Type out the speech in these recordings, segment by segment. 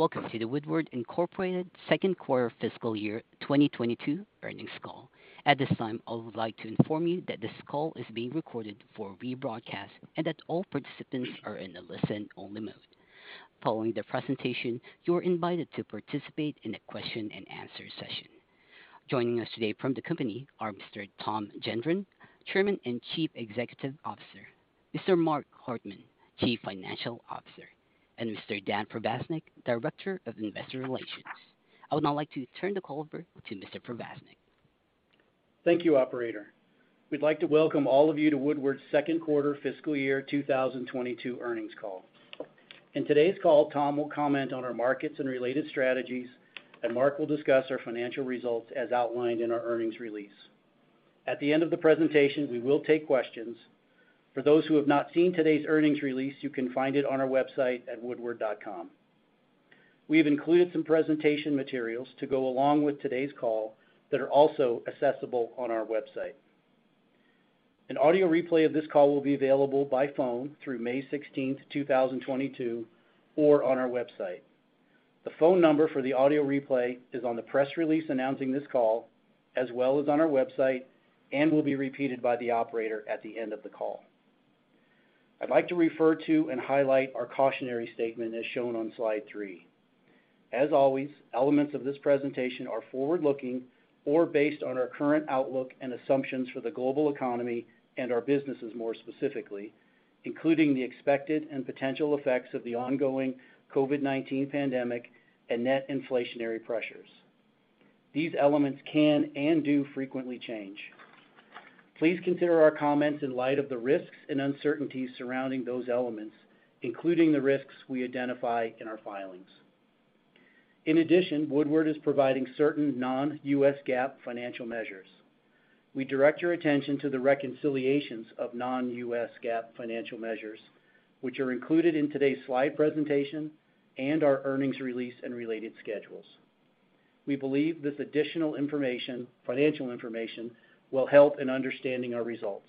Welcome to the Woodward, Inc Second Quarter Fiscal Year 2022 Earnings Call. At this time, I would like to inform you that this call is being recorded for rebroadcast and that all participants are in a listen-only mode. Following the presentation, you're invited to participate in a question-and-answer session. Joining us today from the company are Mr. Tom Gendron, Chairman and Chief Executive Officer, Mr. Mark Hartman, Chief Financial Officer, and Mr. Dan Provaznik, Director of Investor Relations. I would now like to turn the call over to Mr. Provaznik. Thank you, operator. We'd like to welcome all of you to Woodward's Second Quarter Fiscal Year 2022 Earnings Call. In today's call, Tom will comment on our markets and related strategies, and Mark will discuss our financial results as outlined in our earnings release. At the end of the presentation, we will take questions. For those who have not seen today's earnings release, you can find it on our website at woodward.com. We have included some presentation materials to go along with today's call that are also accessible on our website. An audio replay of this call will be available by phone through May 16, 2022, or on our website. The phone number for the audio replay is on the press release announcing this call, as well as on our website and will be repeated by the operator at the end of the call. I'd like to refer to and highlight our cautionary statement as shown on slide 3. As always, elements of this presentation are forward-looking or based on our current outlook and assumptions for the global economy and our businesses more specifically, including the expected and potential effects of the ongoing COVID-19 pandemic and net inflationary pressures. These elements can and do frequently change. Please consider our comments in light of the risks and uncertainties surrounding those elements, including the risks we identify in our filings. In addition, Woodward is providing certain non-U.S. GAAP financial measures. We direct your attention to the reconciliations of non-U.S. GAAP financial measures, which are included in today's slide presentation and our earnings release and related schedules. We believe this additional information, financial information, will help in understanding our results.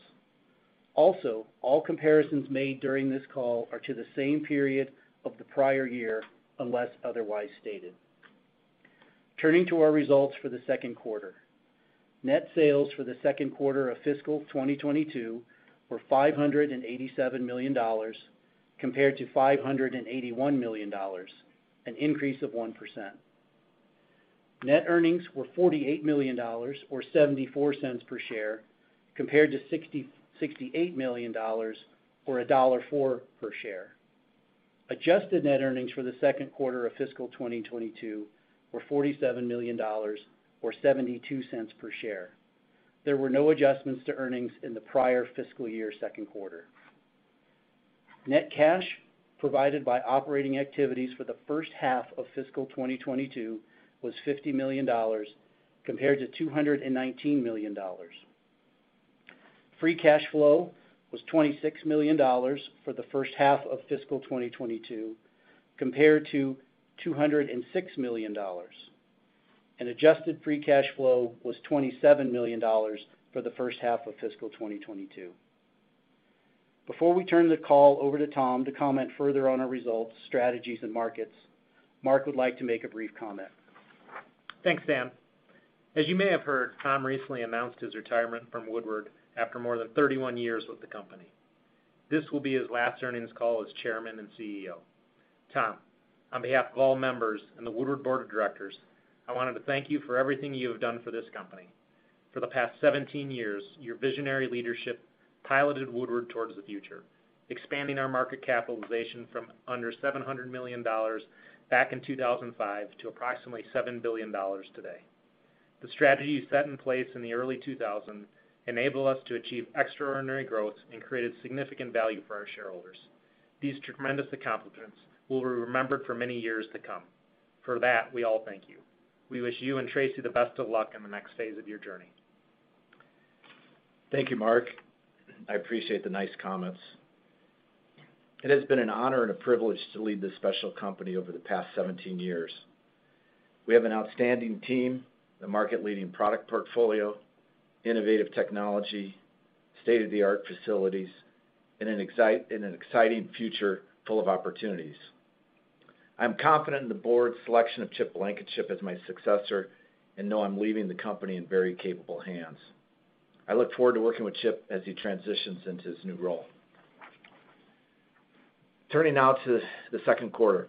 Also, all comparisons made during this call are to the same period of the prior year, unless otherwise stated. Turning to our results for the second quarter. Net sales for the second quarter of fiscal 2022 were $587 million compared to $581 million, an increase of 1%. Net earnings were $48 million or $0.74 per share, compared to $68 million or $1.04 per share. Adjusted net earnings for the second quarter of fiscal 2022 were $47 million or $0.72 per share. There were no adjustments to earnings in the prior fiscal year second quarter. Net cash provided by operating activities for the first half of fiscal 2022 was $50 million compared to $219 million. Free cash flow was $26 million for the first half of fiscal 2022 compared to $206 million, and adjusted free cash flow was $27 million for the first half of fiscal 2022. Before we turn the call over to Tom to comment further on our results, strategies, and markets, Mark would like to make a brief comment. Thanks, Dan. As you may have heard, Tom recently announced his retirement from Woodward after more than 31 years with the company. This will be his last earnings call as Chairman and CEO. Tom, on behalf of all members and the Woodward board of directors, I wanted to thank you for everything you have done for this company. For the past 17 years, your visionary leadership piloted Woodward towards the future, expanding our market capitalization from under $700 million back in 2005 to approximately $7 billion today. The strategies set in place in the early 2000s enabled us to achieve extraordinary growth and created significant value for our shareholders. These tremendous accomplishments will be remembered for many years to come. For that, we all thank you. We wish you and Tracy the best of luck in the next phase of your journey. Thank you, Mark. I appreciate the nice comments. It has been an honor and a privilege to lead this special company over the past 17 years. We have an outstanding team, a market-leading product portfolio, innovative technology, state-of-the-art facilities, and an exciting future full of opportunities. I'm confident in the board's selection of Chip Blankenship as my successor and know I'm leaving the company in very capable hands. I look forward to working with Chip as he transitions into his new role. Turning now to the second quarter.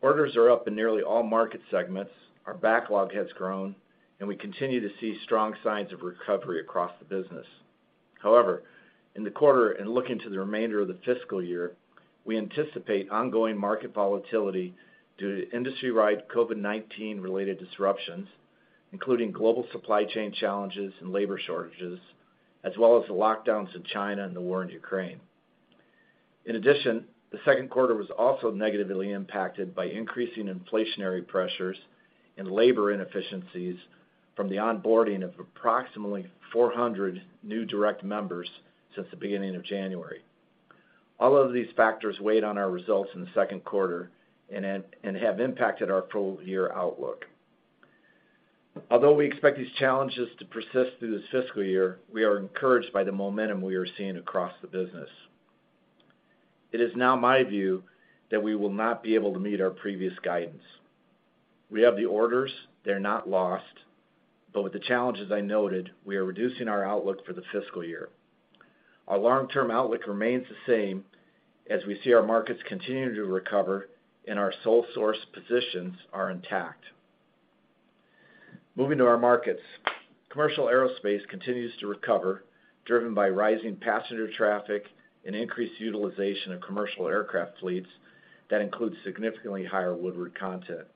Orders are up in nearly all market segments, our backlog has grown, and we continue to see strong signs of recovery across the business. However, in the quarter and looking to the remainder of the fiscal year, we anticipate ongoing market volatility due to industry-wide COVID-19-related disruptions, including global supply chain challenges and labor shortages, as well as the lockdowns in China and the war in Ukraine. In addition, the second quarter was also negatively impacted by increasing inflationary pressures and labor inefficiencies from the onboarding of approximately 400 new direct members since the beginning of January. All of these factors weighed on our results in the second quarter and have impacted our full-year outlook. Although we expect these challenges to persist through this fiscal year, we are encouraged by the momentum we are seeing across the business. It is now my view that we will not be able to meet our previous guidance. We have the orders, they're not lost, but with the challenges I noted, we are reducing our outlook for the fiscal year. Our long-term outlook remains the same as we see our markets continuing to recover and our sole source positions are intact. Moving to our markets, Commercial Aerospace continues to recover, driven by rising passenger traffic and increased utilization of commercial aircraft fleets that includes significantly higher Woodward content.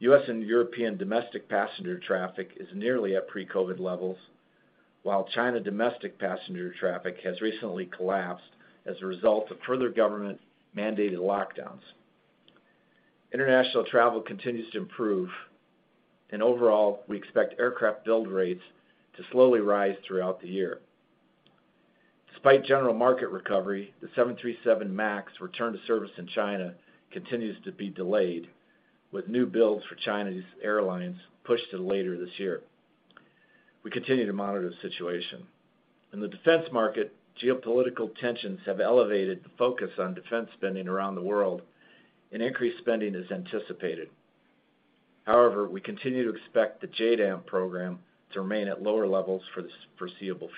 U.S. and European domestic passenger traffic is nearly at pre-COVID levels, while China domestic passenger traffic has recently collapsed as a result of further government-mandated lockdowns. International travel continues to improve and overall, we expect aircraft build rates to slowly rise throughout the year. Despite general market recovery, the 737 MAX return to service in China continues to be delayed, with new builds for China's airlines pushed to later this year. We continue to monitor the situation. In the defense market, geopolitical tensions have elevated the focus on defense spending around the world, and increased spending is anticipated. However, we continue to expect the JDAM program to remain at lower levels for the foreseeable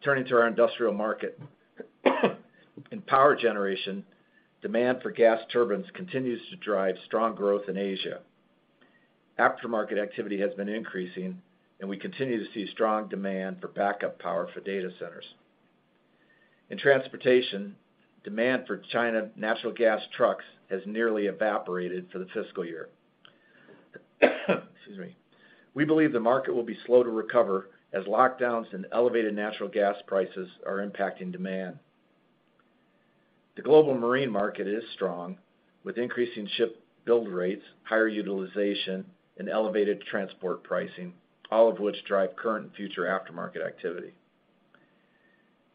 future. Turning to our industrial market. In power generation, demand for gas turbines continues to drive strong growth in Asia. Aftermarket activity has been increasing, and we continue to see strong demand for backup power for data centers. In transportation, demand for China natural gas trucks has nearly evaporated for the fiscal year. Excuse me. We believe the market will be slow to recover as lockdowns and elevated natural gas prices are impacting demand. The global marine market is strong with increasing ship build rates, higher utilization, and elevated transport pricing, all of which drive current and future aftermarket activity.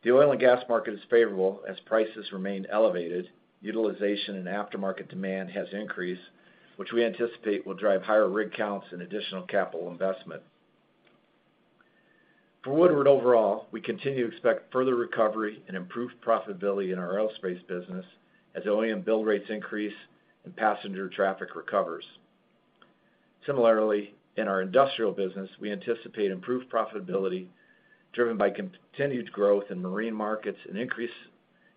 The oil and gas market is favorable as prices remain elevated. Utilization and aftermarket demand has increased, which we anticipate will drive higher rig counts and additional capital investment. For Woodward overall, we continue to expect further recovery and improved profitability in our aerospace business as OEM build rates increase and passenger traffic recovers. Similarly, in our industrial business, we anticipate improved profitability driven by continued growth in marine markets and increase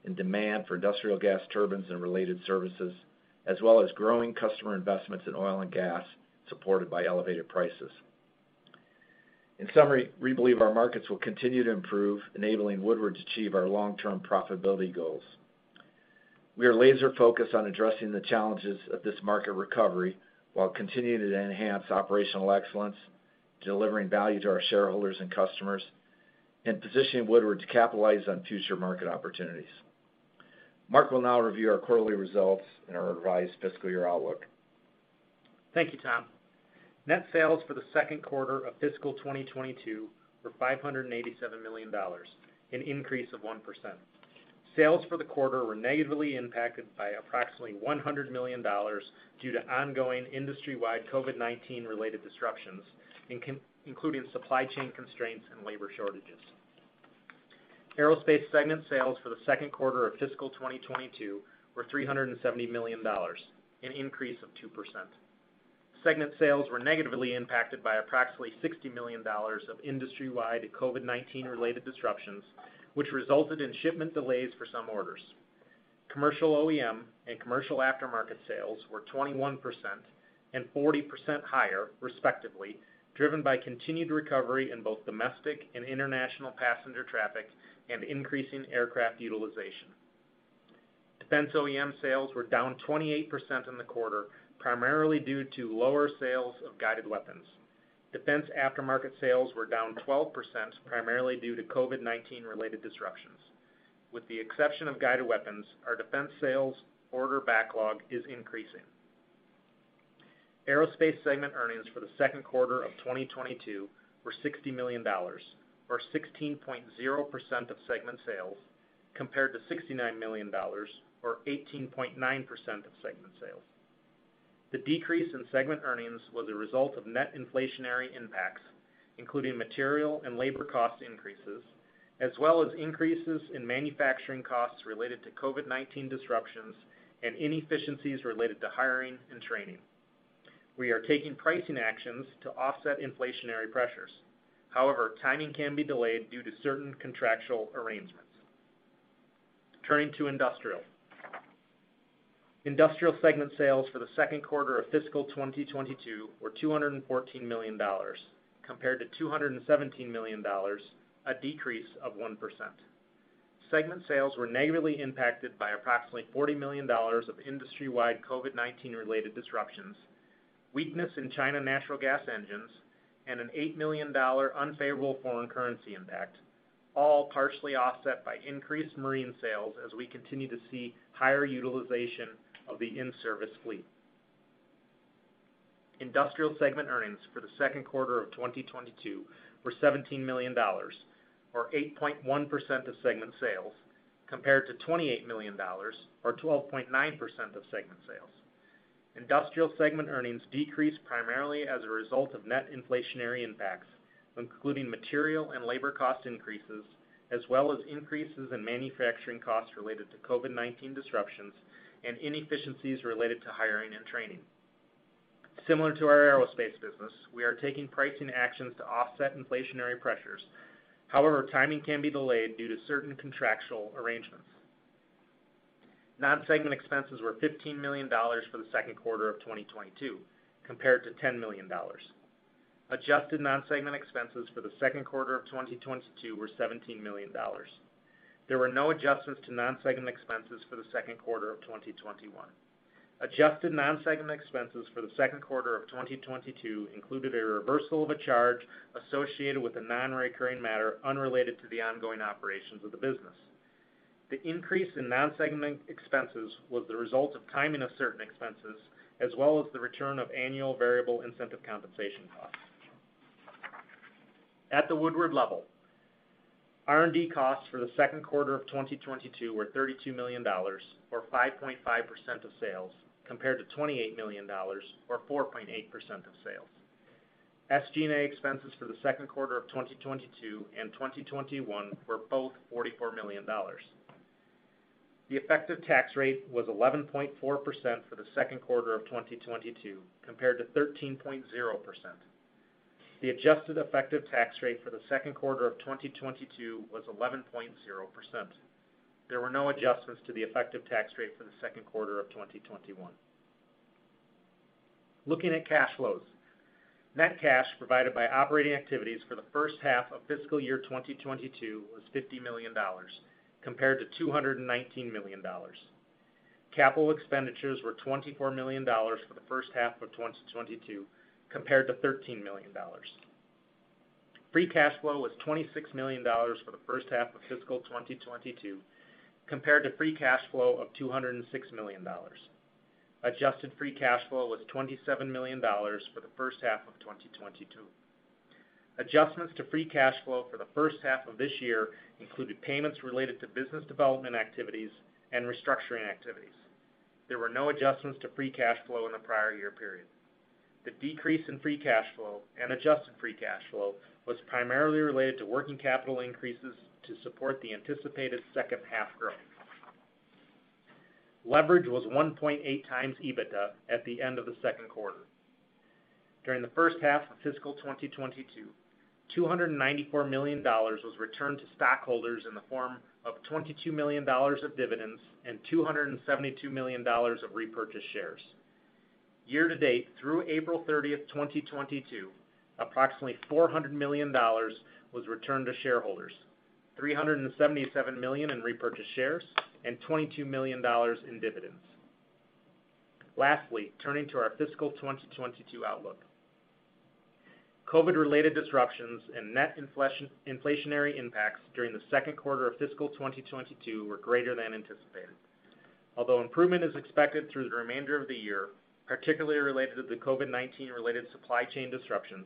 in demand for industrial gas turbines and related services, as well as growing customer investments in oil and gas, supported by elevated prices. In summary, we believe our markets will continue to improve, enabling Woodward to achieve our long-term profitability goals. We are laser-focused on addressing the challenges of this market recovery while continuing to enhance operational excellence, delivering value to our shareholders and customers, and positioning Woodward to capitalize on future market opportunities. Mark will now review our quarterly results and our revised fiscal year outlook. Thank you, Tom. Net sales for the second quarter of fiscal 2022 were $587 million, an increase of 1%. Sales for the quarter were negatively impacted by approximately $100 million due to ongoing industry-wide COVID-19 related disruptions, including supply chain constraints and labor shortages. Aerospace segment sales for the second quarter of fiscal 2022 were $370 million, an increase of 2%. Segment sales were negatively impacted by approximately $60 million of industry-wide COVID-19 related disruptions, which resulted in shipment delays for some orders. Commercial OEM and commercial aftermarket sales were 21% and 40% higher respectively, driven by continued recovery in both domestic and international passenger traffic and increasing aircraft utilization. Defense OEM sales were down 28% in the quarter, primarily due to lower sales of guided weapons. Defense aftermarket sales were down 12%, primarily due to COVID-19 related disruptions. With the exception of guided weapons, our defense sales order backlog is increasing. Aerospace segment earnings for the second quarter of 2022 were $60 million, or 16.0% of segment sales, compared to $69 million, or 18.9% of segment sales. The decrease in segment earnings was a result of net inflationary impacts, including material and labor cost increases, as well as increases in manufacturing costs related to COVID-19 disruptions and inefficiencies related to hiring and training. We are taking pricing actions to offset inflationary pressures. However, timing can be delayed due to certain contractual arrangements. Turning to industrial. Industrial segment sales for the second quarter of fiscal 2022 were $214 million compared to $217 million, a decrease of 1%. Segment sales were negatively impacted by approximately $40 million of industry-wide COVID-19 related disruptions, weakness in China natural gas engines, and an $8 million unfavorable foreign currency impact, all partially offset by increased marine sales as we continue to see higher utilization of the in-service fleet. Industrial segment earnings for the second quarter of 2022 were $17 million, or 8.1% of segment sales compared to $28 million, or 12.9% of segment sales. Industrial segment earnings decreased primarily as a result of net inflationary impacts, including material and labor cost increases, as well as increases in manufacturing costs related to COVID-19 disruptions and inefficiencies related to hiring and training. Similar to our aerospace business, we are taking pricing actions to offset inflationary pressures. However, timing can be delayed due to certain contractual arrangements. Non-segment expenses were $15 million for the second quarter of 2022 compared to $10 million. Adjusted non-segment expenses for the second quarter of 2022 were $17 million. There were no adjustments to non-segment expenses for the second quarter of 2021. Adjusted non-segment expenses for the second quarter of 2022 included a reversal of a charge associated with a non-recurring matter unrelated to the ongoing operations of the business. The increase in non-segment expenses was the result of timing of certain expenses, as well as the return of annual variable incentive compensation costs. At the Woodward level, R&D costs for the second quarter of 2022 were $32 million, or 5.5% of sales, compared to $28 million, or 4.8% of sales. SG&A expenses for the second quarter of 2022 and 2021 were both $44 million. The effective tax rate was 11.4% for the second quarter of 2022 compared to 13.0%. The adjusted effective tax rate for the second quarter of 2022 was 11.0%. There were no adjustments to the effective tax rate for the second quarter of 2021. Looking at cash flows. Net cash provided by operating activities for the first half of fiscal year 2022 was $50 million compared to $219 million. Capital expenditures were $24 million for the first half of 2022 compared to $13 million. Free cash flow was $26 million for the first half of fiscal 2022 compared to free cash flow of $206 million. Adjusted free cash flow was $27 million for the first half of 2022. Adjustments to free cash flow for the first half of this year included payments related to business development activities and restructuring activities. There were no adjustments to free cash flow in the prior-year period. The decrease in free cash flow and adjusted free cash flow was primarily related to working capital increases to support the anticipated second half growth. Leverage was 1.8x EBITDA at the end of the second quarter. During the first half of fiscal 2022, $294 million was returned to stockholders in the form of $22 million of dividends and $272 million of repurchased shares. Year-to-date, through April 30th, 2022, approximately $400 million was returned to shareholders, $377 million in repurchased shares and $22 million in dividends. Lastly, turning to our fiscal 2022 outlook. COVID-related disruptions and net inflationary impacts during the second quarter of fiscal 2022 were greater than anticipated. Although improvement is expected through the remainder of the year, particularly related to the COVID-19 related supply chain disruptions,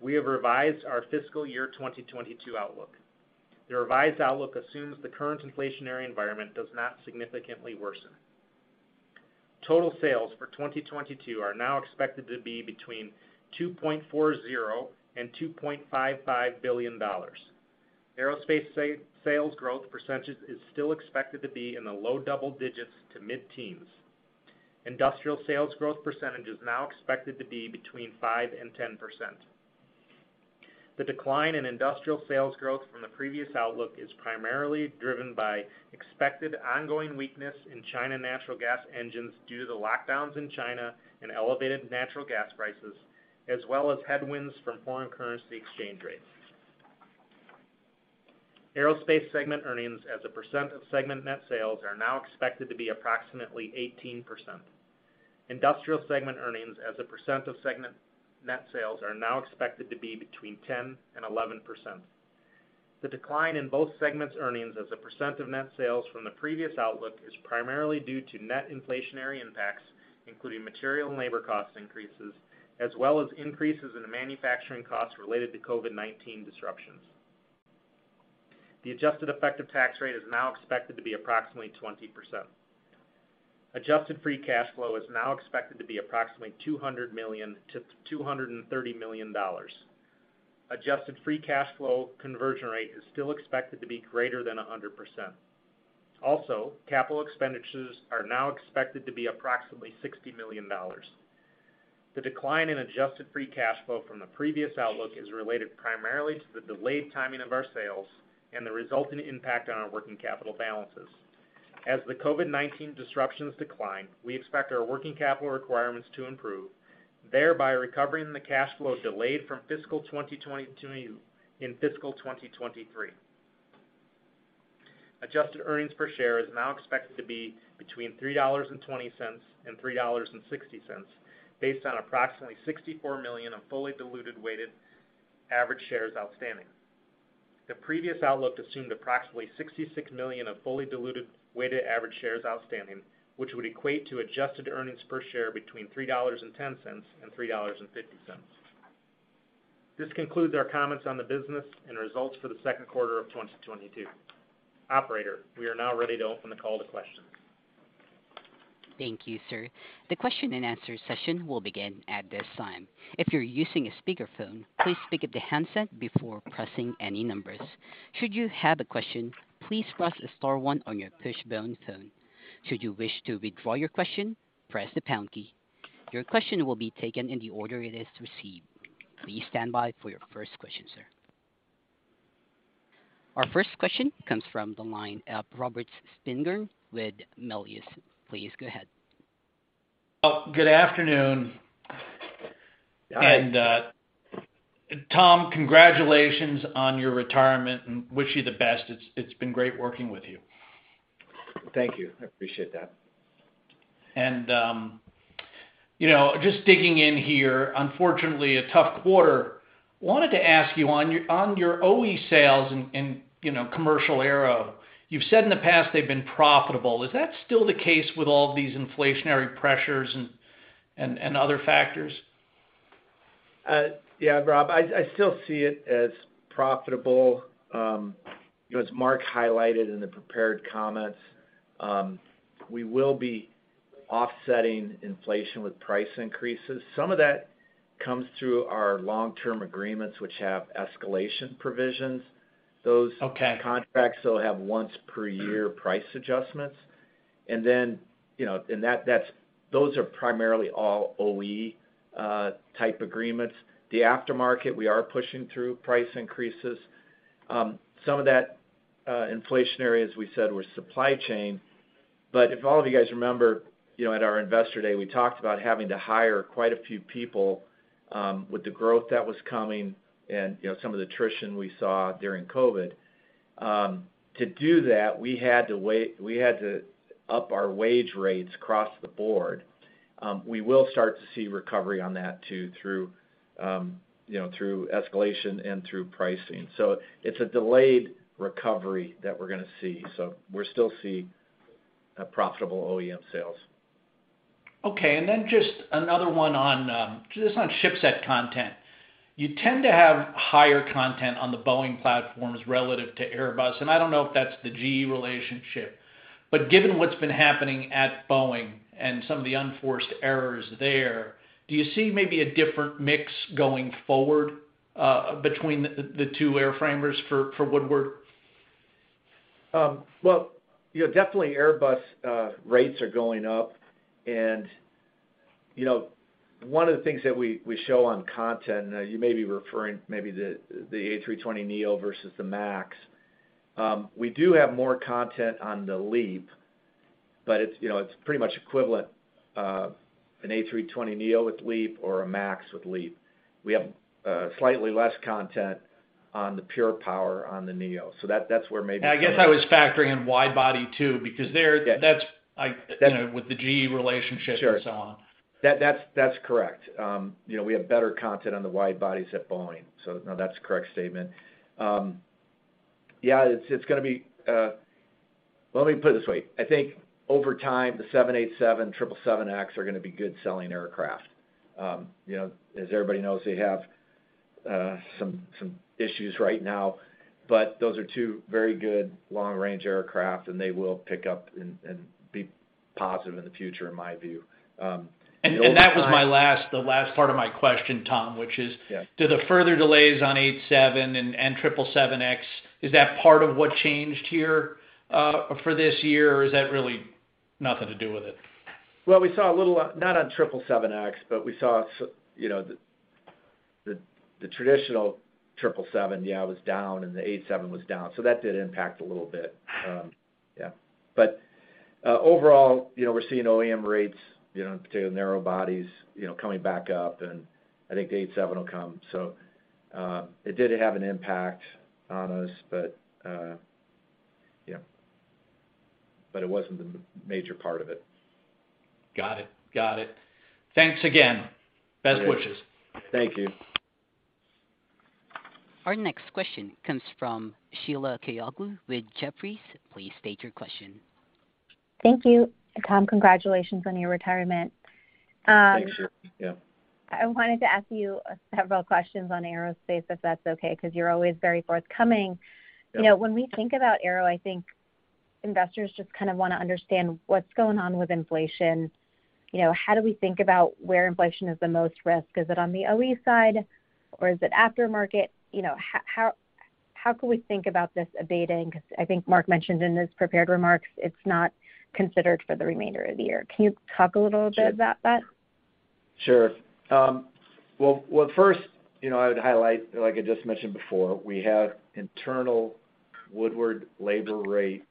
we have revised our fiscal year 2022 outlook. The revised outlook assumes the current inflationary environment does not significantly worsen. Total sales for 2022 are now expected to be between $2.40 billion and $2.55 billion. Aerospace sales growth percentage is still expected to be in the low-double digits to mid-teens. Industrial sales growth percentage is now expected to be between 5% and 10%. The decline in industrial sales growth from the previous outlook is primarily driven by expected ongoing weakness in China natural gas engines due to the lockdowns in China and elevated natural gas prices, as well as headwinds from foreign currency exchange rates. Aerospace segment earnings as a percent of segment net sales are now expected to be approximately 18%. Industrial segment earnings as a percent of segment net sales are now expected to be between 10% and 11%. The decline in both segments earnings as a percent of net sales from the previous outlook is primarily due to net inflationary impacts, including material and labor cost increases, as well as increases in the manufacturing costs related to COVID-19 disruptions. The adjusted effective tax rate is now expected to be approximately 20%. Adjusted free cash flow is now expected to be approximately $200 million-$230 million. Adjusted free cash flow conversion rate is still expected to be greater than 100%. Also, capital expenditures are now expected to be approximately $60 million. The decline in adjusted free cash flow from the previous outlook is related primarily to the delayed timing of our sales and the resulting impact on our working capital balances. As the COVID-19 disruptions decline, we expect our working capital requirements to improve, thereby recovering the cash flow delayed from fiscal 2022 in fiscal 2023. Adjusted earnings per share is now expected to be between $3.20 and $3.60, based on approximately 64 million of fully diluted weighted average shares outstanding. The previous outlook assumed approximately 66 million fully diluted weighted average shares outstanding, which would equate to adjusted earnings per share between $3.10 and $3.50. This concludes our comments on the business and results for the second quarter of 2022. Operator, we are now ready to open the call to questions. Thank you, sir. The question-and-answer session will begin at this time. If you're using a speakerphone, please pick up the handset before pressing any numbers. Should you have a question, please press star one on your push-button phone. Should you wish to withdraw your question, press the pound key. Your question will be taken in the order it is received. Please stand by for your first question, sir. Our first question comes from the line of Robert Spingarn with Melius. Please go ahead. Well, good afternoon. Tom, congratulations on your retirement and wish you the best. It's been great working with you. Thank you. I appreciate that. You know, just digging in here, unfortunately, a tough quarter. Wanted to ask you on your OE sales in you know, Commercial Aero. You've said in the past they've been profitable. Is that still the case with all these inflationary pressures and other factors? Yeah, Rob, I still see it as profitable. You know, as Mark highlighted in the prepared comments, we will be offsetting inflation with price increases. Some of that comes through our long-term agreements, which have escalation provisions. Those contracts will have once per year price adjustments. Those are primarily all OE-type agreements. The aftermarket, we are pushing through price increases. Some of that inflationary, as we said, were supply chain. If all of you guys remember, you know, at our Investor Day, we talked about having to hire quite a few people with the growth that was coming and, you know, some of the attrition we saw during COVID. To do that, we had to up our wage rates across the board. We will start to see recovery on that too, through escalation and through pricing. It's a delayed recovery that we're gonna see. We're still seeing a profitable OEM sales. Just another one on just on shipset content. You tend to have higher content on the Boeing platforms relative to Airbus, and I don't know if that's the GE relationship. Given what's been happening at Boeing and some of the unforced errors there, do you see maybe a different mix going forward between the two airframers for Woodward? Well, you know, definitely Airbus rates are going up. You know, one of the things that we show on content, you may be referring maybe to the A320neo versus the MAX. We do have more content on the LEAP, but it's, you know, it's pretty much equivalent, an A320neo with LEAP or a MAX with LEAP. We have slightly less content on the PurePower on the neo. So that's where maybe. I guess I was factoring in wide body too, because with the GE relationship and so on. Sure. That's correct. You know, we have better content on the wide bodies at Boeing, so no, that's a correct statement. Yeah, it's gonna be. Let me put it this way. I think over time, the 787, 777X are gonna be good selling aircraft. You know, as everybody knows, they have some issues right now, but those are two very good long-range aircraft, and they will pick up and be positive in the future, in my view. That was the last part of my question, Tom, which is do the further delays on 787 and 777X, is that part of what changed here, for this year, or is that really nothing to do with it? Well, we saw a little, not on 777X, but we saw you know, the traditional 777, yeah, was down, and the 787 was down. That did impact a little bit. Overall, you know, we're seeing OEM rates, you know, in particular narrow bodies, you know, coming back up, and I think the 787 will come. It did have an impact on us, but yeah. It wasn't the major part of it. Got it. Thanks again. Best wishes. Thank you. Our next question comes from Sheila Kahyaoglu with Jefferies. Please state your question. Thank you. Tom, congratulations on your retirement. Thanks, Sheila. Yeah. I wanted to ask you several questions on Aerospace, if that's okay, 'cause you're always very forthcoming. You know, when we think about Aero, I think investors just kind of wanna understand what's going on with inflation. You know, how do we think about where inflation is the most risk? Is it on the OE side, or is it aftermarket? You know, how can we think about this abating? 'Cause I think Mark mentioned in his prepared remarks, it's not considered for the remainder of the year. Can you talk a little bit about that? Sure. Well, first, you know, I would highlight, like I just mentioned before, we had internal Woodward labor rate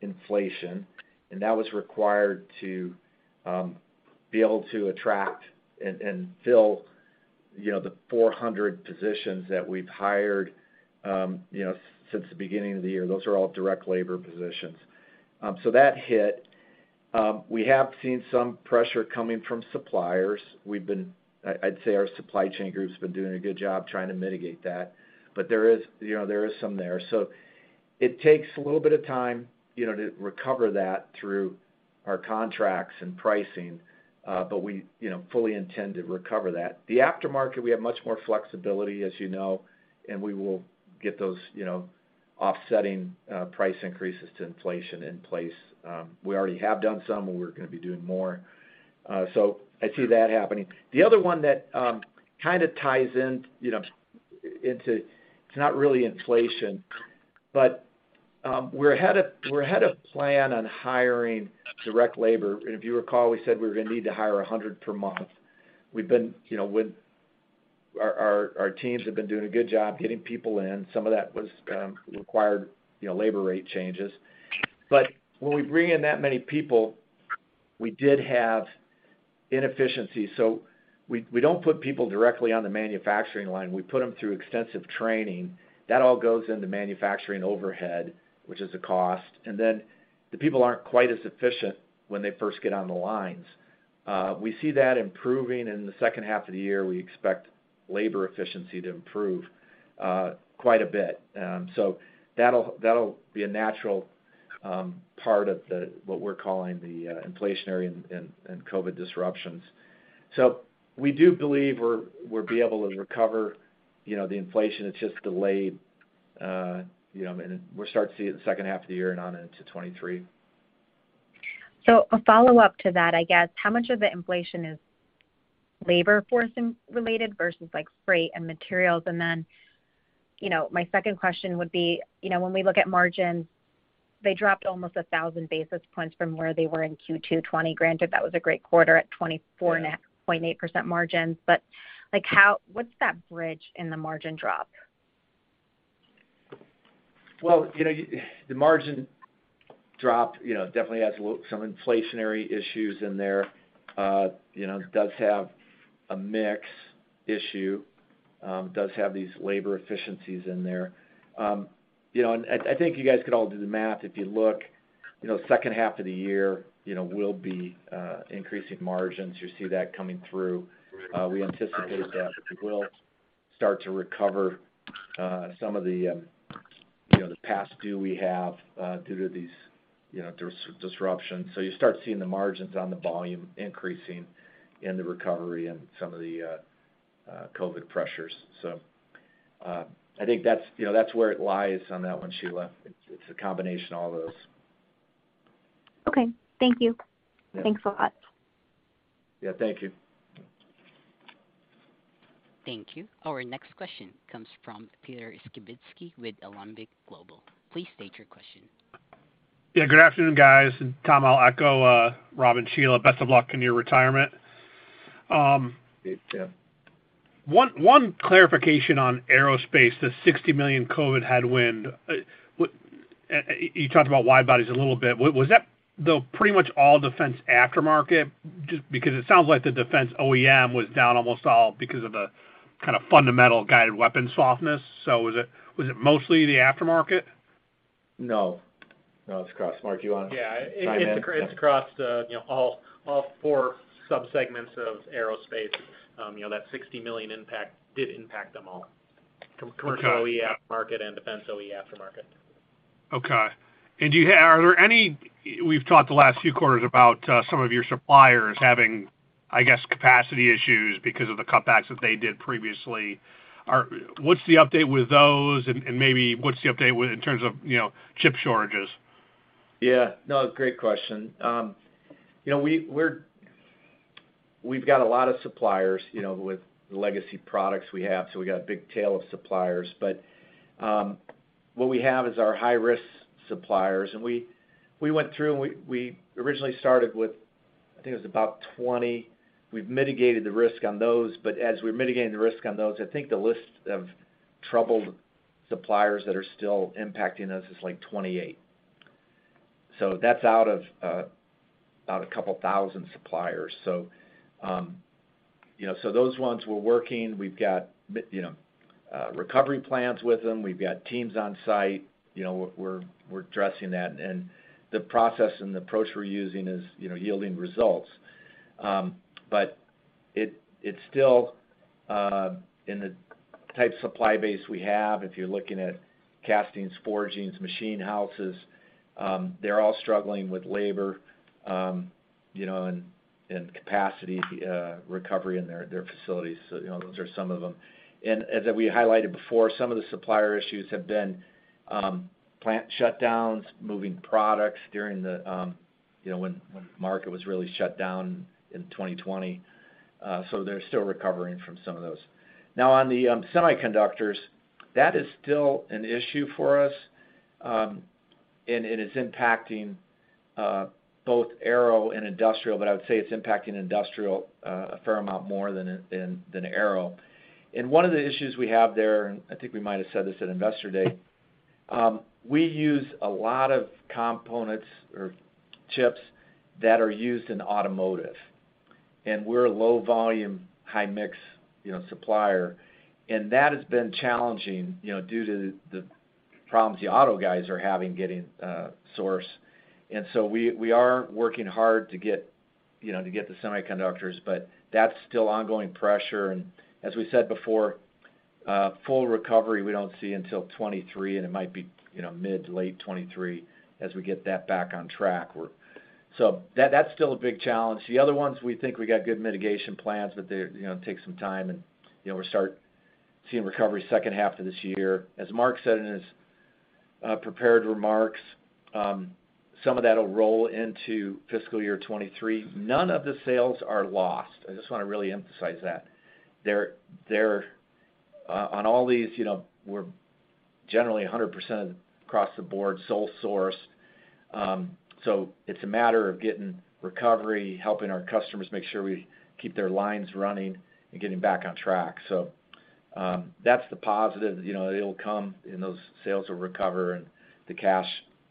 inflation, and that was required to be able to attract and fill, you know, the 400 positions that we've hired, you know, since the beginning of the year. Those are all direct labor positions. That hit. We have seen some pressure coming from suppliers. I'd say our supply chain group's been doing a good job trying to mitigate that. There is, you know, some there. It takes a little bit of time, you know, to recover that through our contracts and pricing, but we, you know, fully intend to recover that. The aftermarket, we have much more flexibility, as you know, and we will get those, you know, offsetting, price increases to inflation in place. We already have done some, and we're gonna be doing more. So I see that happening. The other one that kind of ties in, you know. It's not really inflation, but we're ahead of plan on hiring direct labor. If you recall, we said we were gonna need to hire 100 per month. We've been, you know. Our teams have been doing a good job getting people in. Some of that was required, you know, labor rate changes. When we bring in that many people, we did have inefficiencies. We don't put people directly on the manufacturing line. We put them through extensive training. That all goes into manufacturing overhead, which is a cost. Then the people aren't quite as efficient when they first get on the lines. We see that improving in the second half of the year. We expect labor efficiency to improve quite a bit. That'll be a natural part of what we're calling the inflationary and COVID disruptions. We do believe we'll be able to recover, you know, the inflation. It's just delayed, you know, and then we'll start to see it the second half of the year and on into 2023. A follow-up to that, I guess, how much of the inflation is labor force related versus like freight and materials? You know, my second question would be, you know, when we look at margins, they dropped almost 1,000 basis points from where they were in Q2 2020, granted, that was a great quarter at 24.8% margins. Like, how? What's that bridge in the margin drop? Well, you know, the margin drop, you know, definitely has some inflationary issues in there. You know, does have a mix issue, does have these labor efficiencies in there. You know, I think you guys could all do the math. If you look, you know, second half of the year, you know, we'll be increasing margins. You'll see that coming through. We anticipate that we will start to recover some of the past due we have due to these disruptions. You start seeing the margins on the volume increasing in the recovery and some of the COVID pressures. I think that's where it lies on that one, Sheila. It's a combination of all those. Okay. Thank you. Thanks a lot. Yeah, thank you. Thank you. Our next question comes from Peter Skibitski with Alembic Global. Please state your question. Yeah, good afternoon, guys. Tom, I'll echo Rob and Sheila, best of luck in your retirement. One clarification on aerospace, the $60 million COVID headwind. You talked about wide-bodies a little bit. Was that the pretty much all defense aftermarket? Just because it sounds like the defense OEM was down almost all because of a kind of fundamental guided weapon softness. Was it mostly the aftermarket? No, it's across. Mark, do you want to chime in? Yeah. It's across the, you know, all four subsegments of Aerospace. You know, that $60 million impact did impact them all, Commercial OEM market and Defense OEM Aftermarket. Okay. Are there any? We've talked the last few quarters about some of your suppliers having, I guess, capacity issues because of the cutbacks that they did previously. What's the update with those? Maybe what's the update in terms of, you know, chip shortages? Yeah. No, great question. You know, we've got a lot of suppliers, you know, with the legacy products we have, so we've got a big tail of suppliers. What we have is our high-risk suppliers, and we went through and we originally started with, I think it was about 20. We've mitigated the risk on those, but as we're mitigating the risk on those, I think the list of troubled suppliers that are still impacting us is like 28. That's out of a couple thousand suppliers. You know, those ones we're working. We've got, you know, recovery plans with them. We've got teams on site. You know, we're addressing that. The process and the approach we're using is, you know, yielding results. It's still in the type of supply base we have, if you're looking at castings, forgings, machine shops. They're all struggling with labor, you know, and capacity recovery in their facilities. You know, those are some of them. As we highlighted before, some of the supplier issues have been plant shutdowns, moving products during, you know, when the market was really shut down in 2020. They're still recovering from some of those. Now, on the semiconductors, that is still an issue for us, and it is impacting both aero and industrial, but I would say it's impacting industrial a fair amount more than in aero. One of the issues we have there, and I think we might have said this at Investor Day, we use a lot of components or chips that are used in automotive, and we're a low volume, high mix, you know, supplier. That has been challenging, you know, due to the problems the auto guys are having getting sourcing. So we are working hard to get, you know, to get the semiconductors, but that's still ongoing pressure. As we said before, full recovery we don't see until 2023, and it might be, you know, mid- to late-2023 as we get that back on track. So that's still a big challenge. The other ones, we think we got good mitigation plans, but they, you know, take some time and, you know, we'll start seeing recovery second half of this year. As Mark said in his prepared remarks, some of that'll roll into fiscal year 2023. None of the sales are lost. I just wanna really emphasize that. They're on all these, you know, we're generally 100% across the board sole source. It's a matter of getting recovery, helping our customers make sure we keep their lines running and getting back on track. That's the positive. You know, it'll come, and those sales will recover, and the cash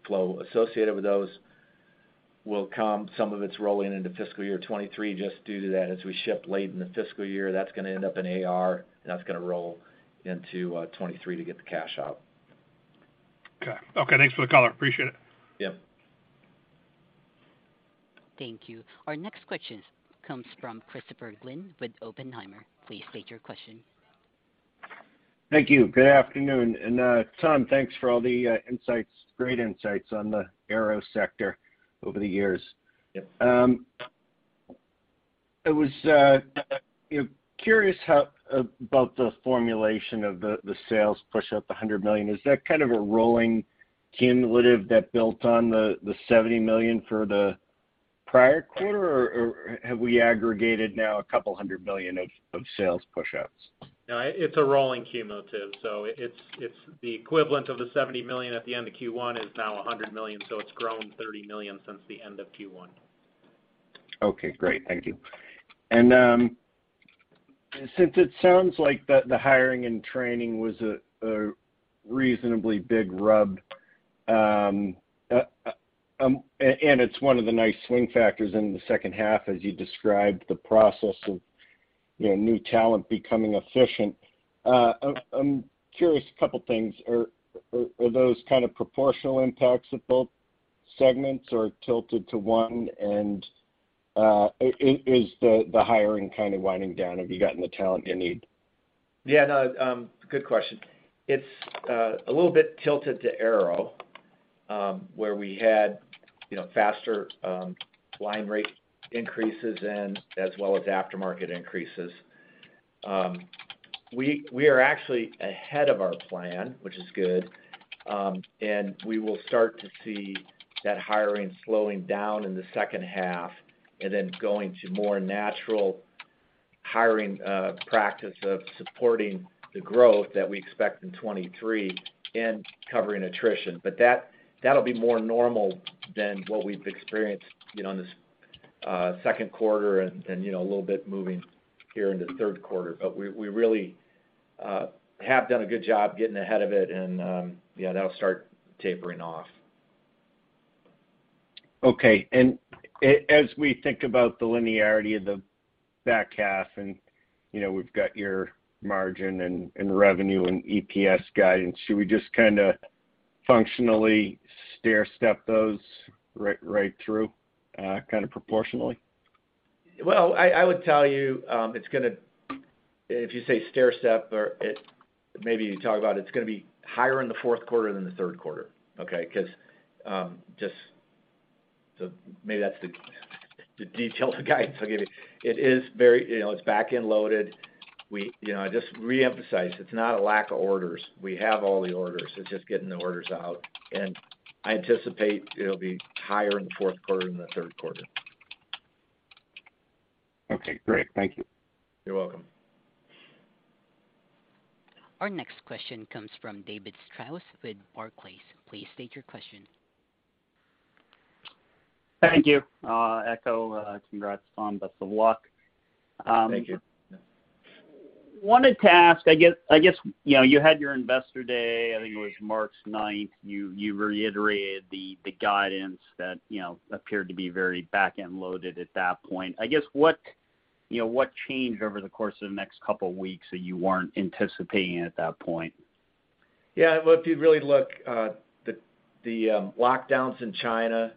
flow associated with those will come. Some of it's rolling into fiscal year 2023 just due to that. As we ship late in the fiscal year, that's gonna end up in AR, and that's gonna roll into 2023 to get the cash out. Okay. Okay, thanks for the color. Appreciate it. Thank you. Our next question comes from Christopher Glynn with Oppenheimer. Please state your question. Thank you. Good afternoon. Tom, thanks for all the insights, great insights on the Aero sector over the years. It was, you know, curious about the formulation of the sales push up $100 million. Is that kind of a rolling cumulative that built on the $70 million for the prior quarter, or have we aggregated now a couple hundred million of sales push-ups? No, it's a rolling cumulative. It's the equivalent of the $70 million at the end of Q1 is now $100 million, so it's grown $30 million since the end of Q1. Okay, great. Thank you. Since it sounds like the hiring and training was a reasonably big rub, and it's one of the nice swing factors in the second half as you described the process of, you know, new talent becoming efficient, I'm curious a couple things. Are those kind of proportional impacts of both segments or tilted to one? Is the hiring kind of winding down? Have you gotten the talent you need? Yeah, no, good question. It's a little bit tilted to aero, where we had, you know, faster line rate increases as well as aftermarket increases. We are actually ahead of our plan, which is good. We will start to see that hiring slowing down in the second half, and then going to more natural hiring practice of supporting the growth that we expect in 2023 and covering attrition. That'll be more normal than what we've experienced, you know, in this second quarter and, you know, a little bit moving here into third quarter. We really have done a good job getting ahead of it and, yeah, that'll start tapering off. Okay. As we think about the linearity of the back half and, you know, we've got your margin and revenue and EPS guidance, should we just kinda functionally stairstep those right through, kind of proportionally? Well, I would tell you, if you say stairstep or maybe you talk about it's gonna be higher in the fourth quarter than the third quarter, okay? 'Cause maybe that's the detailed guidance I'll give you. It is very, you know, back-end loaded. We, you know, I just reemphasize, it's not a lack of orders. We have all the orders. It's just getting the orders out. I anticipate it'll be higher in the fourth quarter than the third quarter. Okay, great. Thank you. You're welcome. Our next question comes from David Strauss with Barclays. Please state your question. Thank you, Echo. Congrats, Tom. Best of luck. Thank you. Wanted to ask, I guess, you know, you had your Investor Day, I think it was March 9th. You reiterated the guidance that, you know, appeared to be very back-end loaded at that point. I guess, you know, what changed over the course of the next couple weeks that you weren't anticipating at that point? Yeah. Well, if you really look, the lockdowns in China,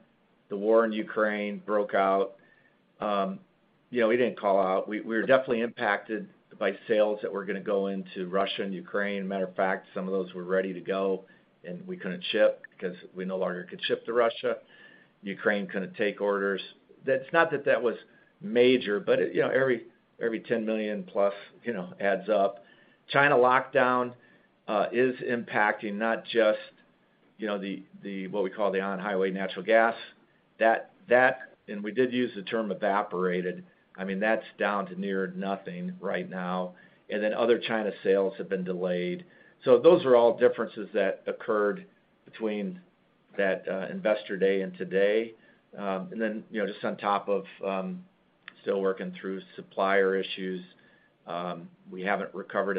the war in Ukraine broke out, you know, we didn't call out. We were definitely impacted by sales that were gonna go into Russia and Ukraine. Matter of fact, some of those were ready to go, and we couldn't ship because we no longer could ship to Russia. Ukraine couldn't take orders. That's not that was major, but, you know, every $10 million+ adds up. China lockdown is impacting not just, you know, the what we call the on-highway natural gas. That and we did use the term evaporated. I mean, that's down to near nothing right now. And then other China sales have been delayed. Those are all differences that occurred between that Investor Day and today. You know, just on top of still working through supplier issues, we haven't recovered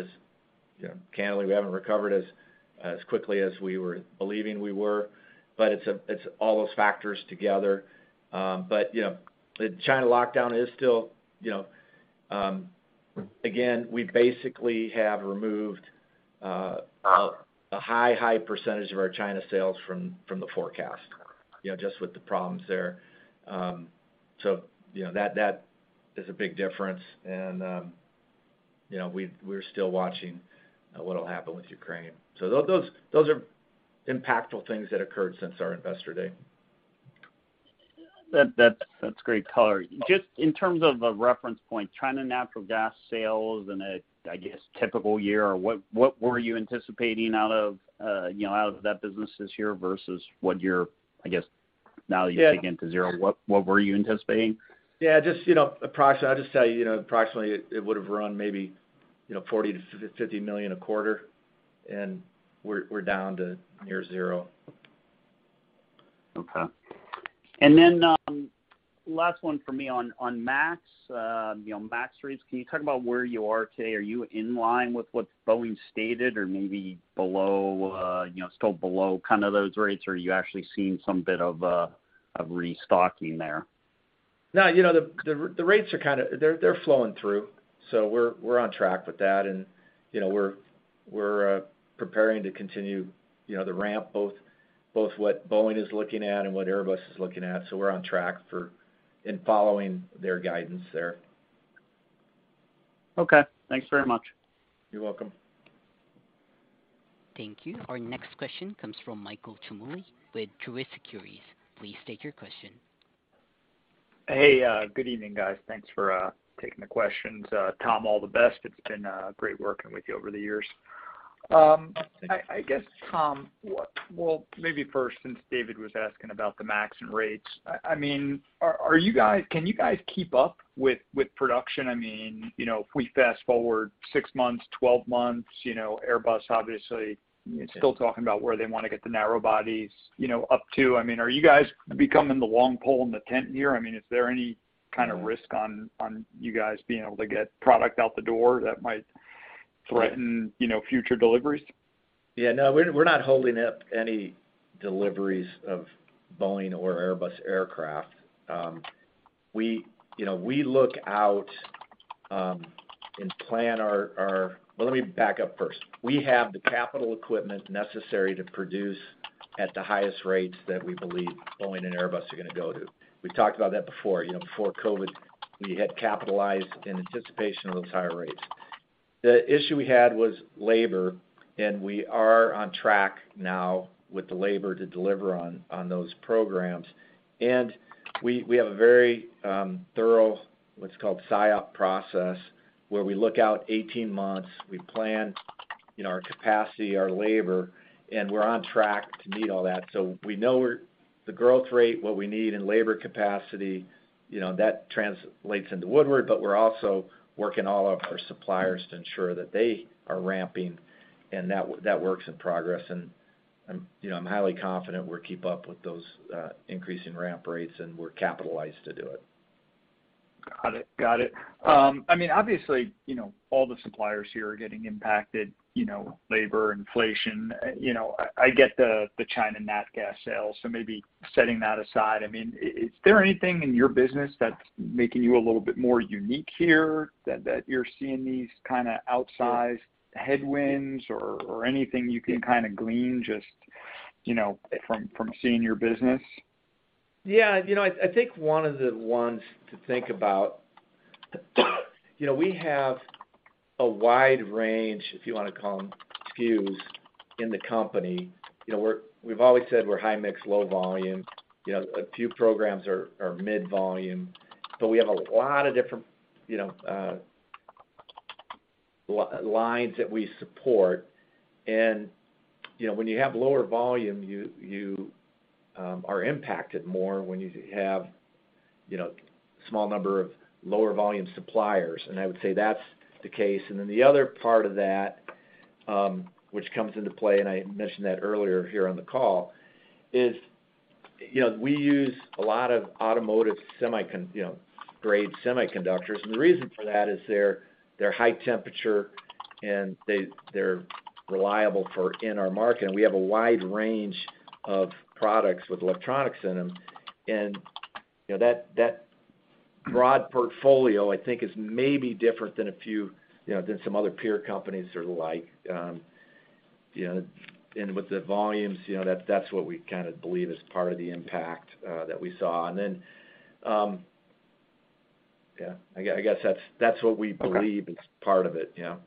as quickly as we were believing we were, but it's all those factors together. You know, the China lockdown is still, you know, again, we basically have removed a high percentage of our China sales from the forecast, you know, just with the problems there. You know, that is a big difference. You know, we're still watching what'll happen with Ukraine. Those are impactful things that occurred since our Investor Day. That's great color. Just in terms of a reference point, China natural gas sales in a, I guess, typical year, what were you anticipating out of, you know, out of that business this year versus what you're, I guess, now that you're digging into zero, what were you anticipating? Yeah. Just, you know, I'll just tell you know, approximately it would've run maybe, you know, $40 million-$50 million a quarter, and we're down to near zero. Okay. Last one for me on MAX, you know, MAX rates. Can you talk about where you are today? Are you in line with what Boeing stated or maybe below, you know, still below kind of those rates? Or are you actually seeing some bit of restocking there? No, you know, the rates are kind of flowing through, so we're on track with that. You know, we're preparing to continue, you know, the ramp, both what Boeing is looking at and what Airbus is looking at, so we're on track for and following their guidance there. Okay. Thanks very much. You're welcome. Thank you. Our next question comes from Michael Ciarmoli with Truist Securities. Please state your question. Hey, good evening, guys. Thanks for taking the questions. Tom, all the best. It's been great working with you over the years. I guess, Tom, well, maybe first, since David was asking about the MAX and rates, I mean, can you guys keep up with production? I mean, you know, if we fast-forward six months, 12 months, you know, Airbus obviously still talking about where they wanna get the narrow bodies, you know, up to. I mean, are you guys becoming the long pole in the tent here? I mean, is there any kind of risk on you guys being able to get product out the door that might threaten, you know, future deliveries? Yeah, no, we're not holding up any deliveries of Boeing or Airbus aircraft. Well, let me back up first. We have the capital equipment necessary to produce at the highest rates that we believe Boeing and Airbus are gonna go to. We've talked about that before. You know, before COVID, we had capitalized in anticipation of those higher rates. The issue we had was labor, and we are on track now with the labor to deliver on those programs. We have a very thorough what's called SIOP process, where we look out 18 months, we plan, you know, our capacity, our labor, and we're on track to meet all that. We know the growth rate, what we need in labor capacity, you know, that translates into Woodward, but we're also working all of our suppliers to ensure that they are ramping, and that work's in progress. You know, I'm highly confident we'll keep up with those, increase in ramp rates, and we're capitalized to do it. Got it. I mean, obviously, you know, all the suppliers here are getting impacted, you know, labor, inflation. You know, I get the China nat gas sales, so maybe setting that aside, I mean, is there anything in your business that's making you a little bit more unique here that you're seeing these kinda outsized headwinds or anything you can kinda glean just, you know, from seeing your business? Yeah. You know, I think one of the ones to think about, you know, we have a wide range, if you wanna call them, SKUs in the company. You know, we've always said we're high mix, low volume. You know, a few programs are mid volume, but we have a lot of different, you know, lines that we support. You know, when you have lower volume, you are impacted more when you have, you know, small number of lower volume suppliers, and I would say that's the case. Then the other part of that, which comes into play, and I mentioned that earlier here on the call is, you know, we use a lot of automotive-grade semiconductors, and the reason for that is they're high temperature, and they're reliable in our market. We have a wide range of products with electronics in them. You know, that broad portfolio, I think, is maybe different than a few, you know, than some other peer companies or the like. You know, with the volumes, you know, that's what we kinda believe is part of the impact that we saw. I guess that's what we believe is part of it, you know.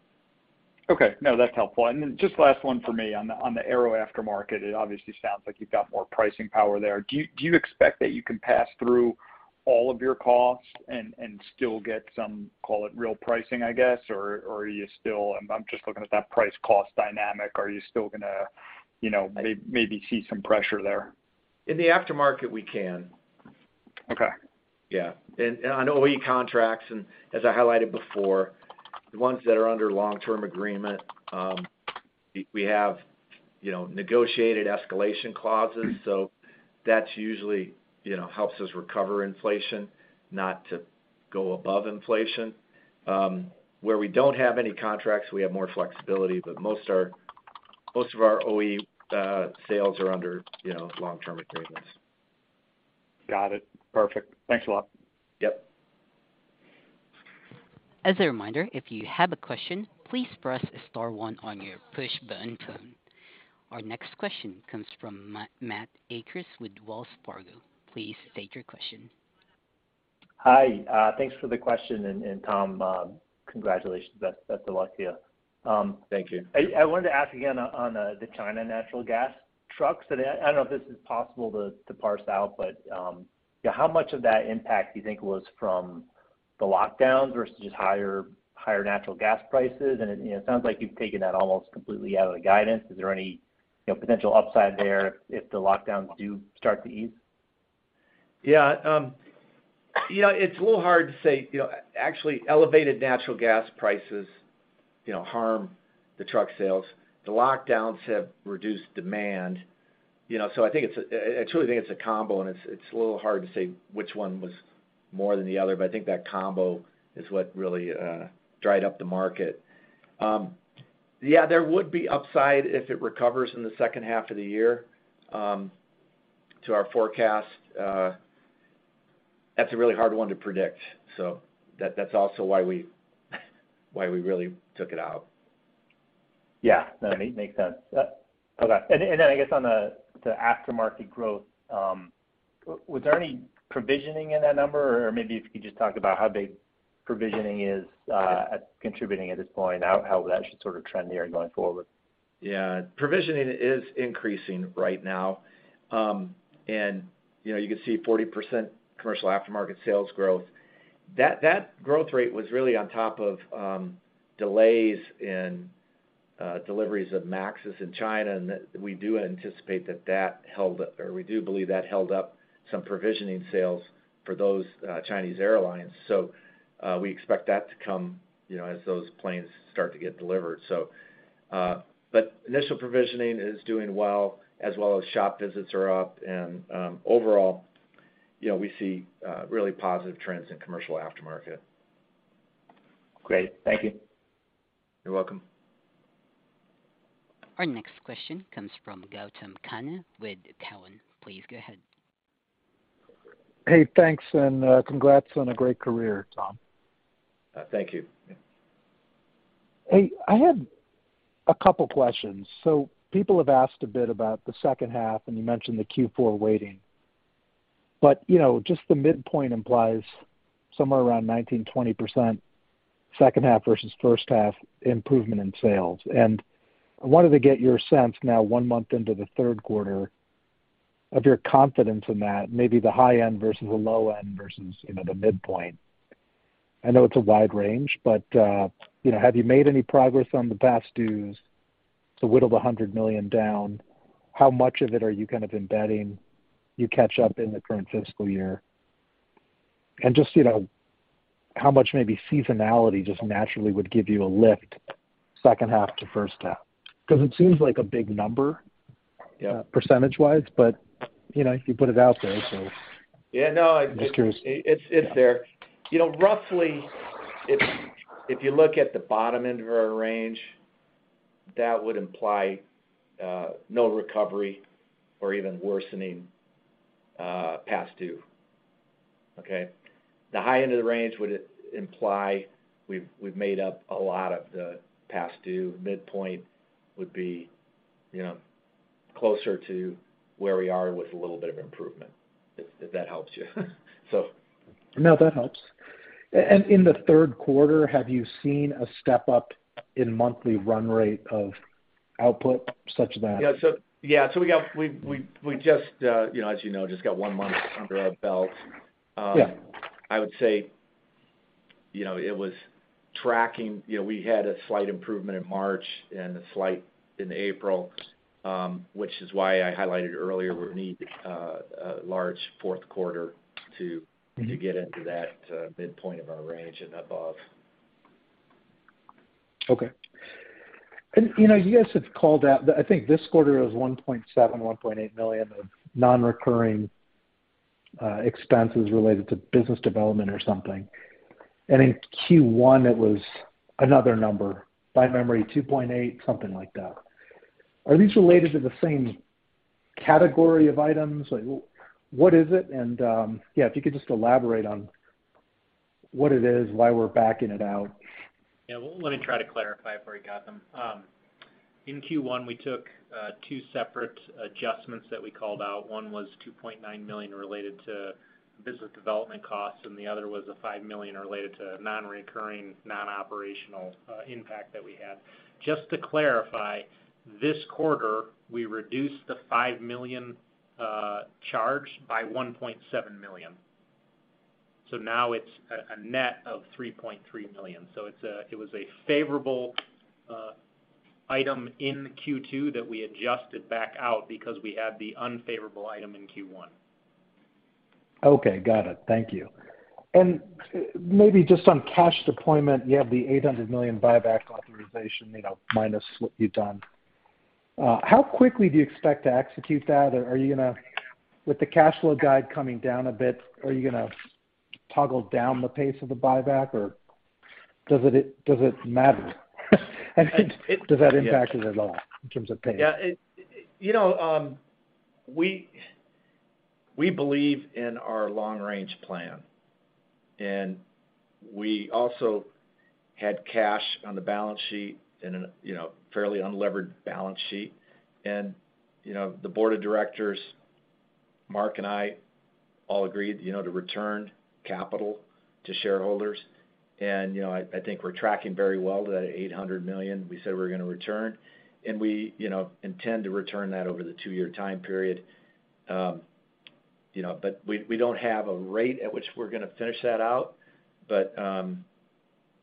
Okay. No, that's helpful. Just last one for me on the aero aftermarket. It obviously sounds like you've got more pricing power there. Do you expect that you can pass through all of your costs and still get some, call it, real pricing, I guess? Or are you still? I'm just looking at that price cost dynamic. Are you still gonna, you know, maybe see some pressure there? In the aftermarket, we can. Yeah. On OEM contracts, as I highlighted before, the ones that are under long-term agreement, we have, you know, negotiated escalation clauses, so that usually, you know, helps us recover inflation, not to go above inflation. Where we don't have any contracts, we have more flexibility, but most of our OE sales are under, you know, long-term agreements. Got it. Perfect. Thanks a lot. As a reminder, if you have a question, please press star one on your push-button phone. Our next question comes from Matt Akers with Wells Fargo. Please state your question. Hi, thanks for the question and, Tom, congratulations. Best of luck to you. Thank you. I wanted to ask again on the China natural gas trucks. I don't know if this is possible to parse out, but you know, how much of that impact do you think was from the lockdowns versus just higher natural gas prices? You know, it sounds like you've taken that almost completely out of the guidance. Is there any potential upside there if the lockdowns do start to ease? Yeah. You know, it's a little hard to say. You know, actually elevated natural gas prices, you know, harm the truck sales. The lockdowns have reduced demand, you know. I truly think it's a combo, and it's a little hard to say which one was more than the other. I think that combo is what really dried up the market. Yeah, there would be upside if it recovers in the second half of the year to our forecast. That's a really hard one to predict. That's also why we really took it out. Yeah. No, it makes sense. Okay. I guess on the aftermarket growth, was there any provisioning in that number? Or maybe if you could just talk about how big provisioning is contributing at this point, how that should sort of trend there going forward. Yeah. Provisioning is increasing right now. You know, you can see 40% commercial aftermarket sales growth. That growth rate was really on top of delays in deliveries of MAXs in China, and that we anticipate that held up, or we do believe that held up some provisioning sales for those Chinese airlines. We expect that to come, you know, as those planes start to get delivered. Initial provisioning is doing well, as well as shop visits are up. Overall, you know, we see really positive trends in commercial aftermarket. Great. Thank you. You're welcome. Our next question comes from Gautam Khanna with Cowen. Please go ahead. Hey, thanks, and, congrats on a great career, Tom. Thank you. Hey, I have a couple questions. People have asked a bit about the second half, and you mentioned the Q4 weighting. You know, just the midpoint implies somewhere around 19%-20% second half versus first half improvement in sales. I wanted to get your sense now one month into the third quarter of your confidence in that, maybe the high end versus the low end versus, you know, the midpoint. I know it's a wide range, but, you know, have you made any progress on the past dues to whittle the $100 million down? How much of it are you kind of embedding your catch-up in the current fiscal year? Just, you know, how much maybe seasonality just naturally would give you a lift second half to first half? 'Cause it seems like a big number? Percentage-wise, but, you know, you put it out there, so. Just curious. It's there. You know, roughly, if you look at the bottom end of our range, that would imply no recovery or even worsening past due. The high end of the range would imply we've made up a lot of the past due. Midpoint would be, you know, closer to where we are with a little bit of improvement. If that helps you. No, that helps. In the third quarter, have you seen a step-up in monthly run rate of output such that— We just, you know, as you know, just got one month under our belt. I would say, you know, it was tracking. You know, we had a slight improvement in March and a slight in April, which is why I highlighted earlier we need a large fourth quarter to get into that, midpoint of our range and above. Okay. You know, you guys have called out the, I think this quarter was $1.7 million-$1.8 million of non-recurring expenses related to business development or something. In Q1, it was another number. By memory, $2.8, something like that. Are these related to the same category of items? Like what is it? Yeah, if you could just elaborate on what it is, why we're backing it out. Yeah. Well, let me try to clarify it for you, Gautam. In Q1, we took two separate adjustments that we called out. One was $2.9 million related to business development costs, and the other was $5 million related to non-recurring, non-operational impact that we had. Just to clarify, this quarter, we reduced the $5 million charge by $1.7 million. Now it's a net of $3.3 million. It was a favorable item in Q2 that we adjusted back out because we had the unfavorable item in Q1. Okay. Got it. Thank you. Maybe just on cash deployment, you have the $800 million buyback authorization, you know, minus what you've done. How quickly do you expect to execute that? Are you gonna, with the cash flow guide coming down a bit, are you gonna toggle down the pace of the buyback, or does it matter? Does that impact it at all in terms of pace? Yeah. You know, we believe in our long-range plan, and we also had cash on the balance sheet in a you know, fairly unlevered balance sheet. You know, the Board of Directors, Mark, and I all agreed, you know, to return capital to shareholders. You know, I think we're tracking very well to that $800 million we said we're gonna return, and we, you know, intend to return that over the two-year time period. You know, we don't have a rate at which we're gonna finish that out.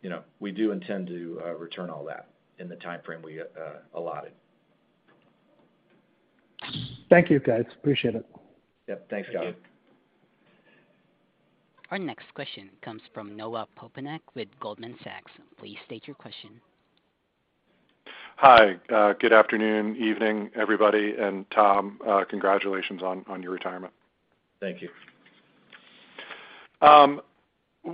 You know, we do intend to return all that in the timeframe we allotted. Thank you, guys. Appreciate it. Yep. Thanks, Gautam Khanna. Thank you. Our next question comes from Noah Poponak with Goldman Sachs. Please state your question. Hi. Good afternoon, evening, everybody. Tom, congratulations on your retirement. Thank you.